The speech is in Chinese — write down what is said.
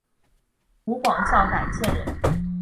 湖广孝感县人。